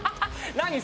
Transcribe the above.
何？